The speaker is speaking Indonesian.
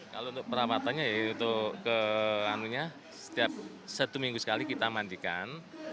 kalau untuk perawatannya ya itu ke anunya setiap satu minggu sekali kita mandikan